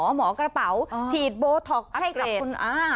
หมอกระเป๋าฉีดโบท็อกซ์ให้กับคุณอ้า